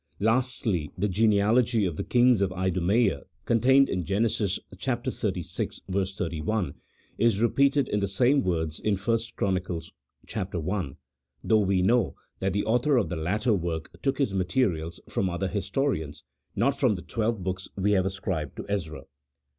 Lastly, the genealogy of the kings of Idumaea contained in Genesis xxxvi. 31, is repeated in the same words in 1 Chron. i., though we know that the author of the latter work took his materials from other historians, not from the twelve hooks we have ascribed to Ezra.